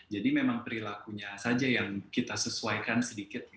jadi memang perilakunya saja yang kita sesuaikan sedikit